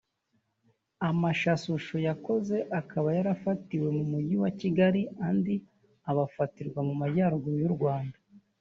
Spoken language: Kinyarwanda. amshsusho yazo akaba yarafatiwe mu mugi wa Kigali andi abfatirwa mu majyaruguru y’u Rwanda